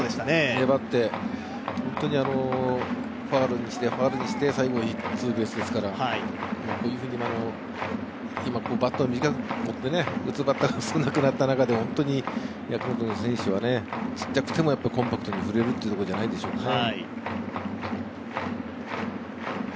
粘って、本当にファウルにしてファウルにして最後はツーベースですから、今、バットを短く持って打つバッターが少なくなった中で本当にヤクルトの選手は小さくてもコンパクトに振れるというところではないでしょうかね。